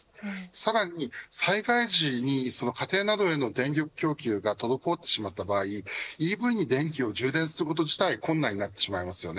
さらに、災害時に家庭などへの電力供給が滞ってしまった場合ＥＶに電気を充電しておくこと自体が困難になってしまいます。